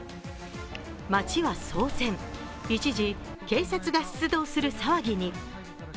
街は騒然、一時警察が出動する騒ぎに。